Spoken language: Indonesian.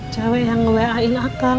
jawabnya ngewa in akan